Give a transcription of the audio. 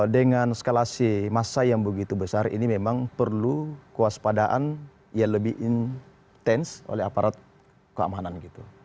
dengan skalasi massa yang begitu besar ini memang perlu kewaspadaan yang lebih intens oleh aparat keamanan gitu